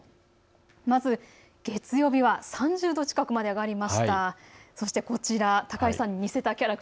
まず月曜日は３０度近くまで上がりました。